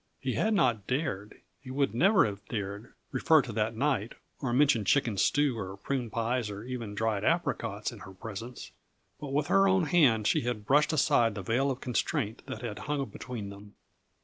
He had not dared he would never have dared refer to that night, or mention chicken stew or prune pies or even dried apricots in her presence; but with her own hand she had brushed aside the veil of constraint that had hung between them.